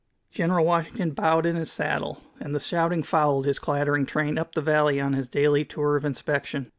'" General Washington bowed in his saddle, and the shouting followed his clattering train up the valley on his daily tour of inspection.